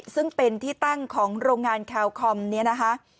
ซึ่งเป็นที่ตั้งของโรงงานแคลคอมนี้นะคะ